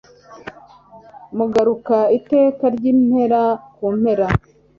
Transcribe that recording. Mugaruka iteka ryimpera kumpera